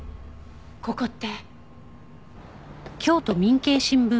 ここって。